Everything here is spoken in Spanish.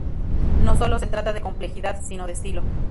No solo se trata de complejidad, sino de estilo.